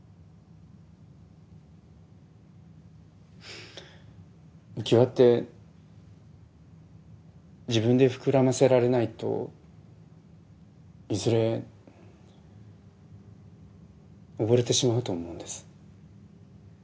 うきわって自分で膨らませられないといずれ溺れてしまうと思うんです。